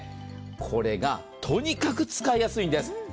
これがとにかく使いやすいんです。